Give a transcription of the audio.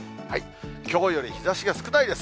きょうより日ざしが少ないです。